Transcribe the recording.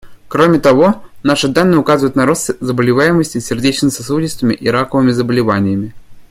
Кроме того, наши данные указывают на рост заболеваемости сердечно-сосудистыми и раковыми заболеваниями.